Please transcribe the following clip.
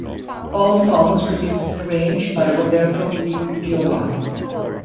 All songs produced and arranged by Roberto Di Gioia.